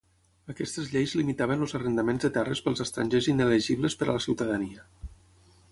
Aquestes lleis limitaven els arrendaments de terres pels estrangers inelegibles per a la ciutadania.